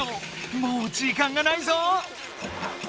もう時間がないぞ！